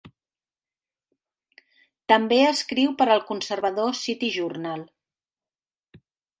També escriu per al conservador "City Journal".